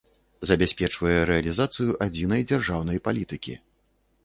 Забяспечвае рэалiзацыю адзiнай дзяржаўнай палiтыкi.